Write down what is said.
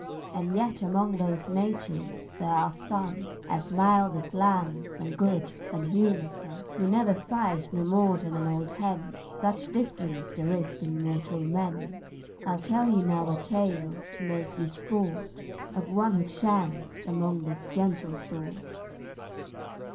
And yet among those natives there are some As mild as lambs, and good and humoursome; Who never fight no more than an old hen, Such difference there is in mortal men. I'll tell you now a tale, to make you sport, Of one who chanced among this gentle sort."